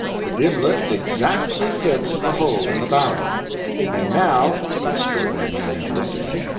The gimlet exactly fits the hole in the barrel. And now " The Extraordinary Man interrupted him.